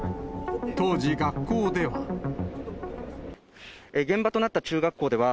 当時、学校では。